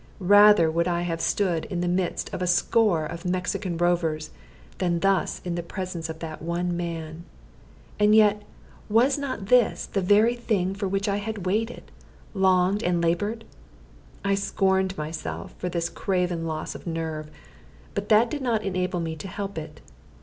Rather would I have stood in the midst of a score of Mexican rovers than thus in the presence of that one man. And yet was not this the very thing for which I had waited, longed, and labored? I scorned myself for this craven loss of nerve, but that did not enable me to help it.